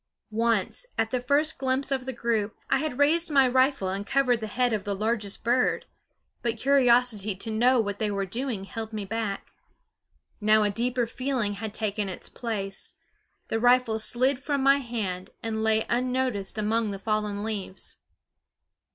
Once, at the first glimpse of the group, I had raised my rifle and covered the head of the largest bird; but curiosity to know what they were doing held me back. Now a deeper feeling had taken its place; the rifle slid from my hand and lay unnoticed among the fallen leaves.